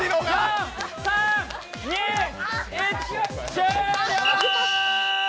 終了！